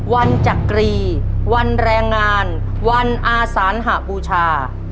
จักรีวันแรงงานวันอาสานหบูชา